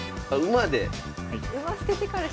馬で。